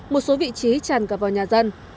một số vị trí chàn cả vào nhà dân